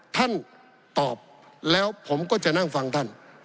ท่านตอบแล้วผมก็จะนั่งฟังท่าน